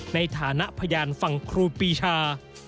ในฐานะพยานฝั่งครูปีชา